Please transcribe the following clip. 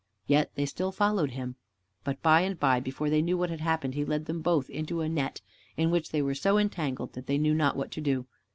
Yet they still followed him. But by and by before they knew what had happened, he led them both into a net, in which they were so entangled that they knew not what to do.